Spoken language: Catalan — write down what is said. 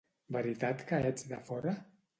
Veritat que ets de fora?